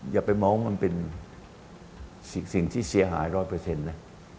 อย่าไปมองว่ามันเป็นสิ่งที่เสียหายร้อยเปอร์เซ็นต์นะ